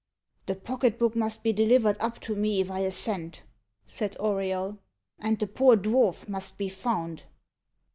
"The pocket book must be delivered up to me if I assent," said Auriol, "and the poor dwarf must be found."